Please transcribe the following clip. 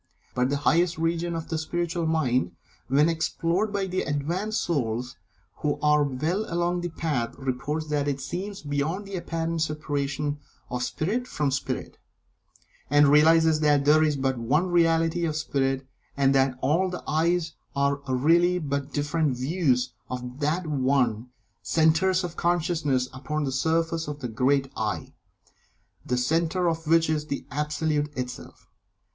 But the highest region of the Spiritual Mind, when explored by the advanced souls who are well along the Path, reports that it sees beyond the apparent separation of Spirit from Spirit, and realizes that there is but one Reality of Spirit, and that all the "I"'s are really but different views of that One Centres of Consciousness upon the surface of the One Great "I," the Centre of which is the Absolute Itself.